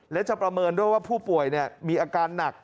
และจะประเมินด้วยว่าผู้ป่วยมีอาการหนัก